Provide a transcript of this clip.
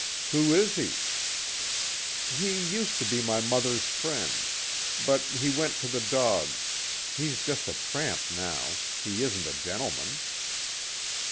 "Who is he?" "He used to be my mother's friend. But he went to the dogs. He's just a tramp now. He isn't a gentleman."